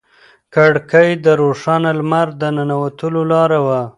کړکۍ د روښانه لمر د ننوتلو لاره وه.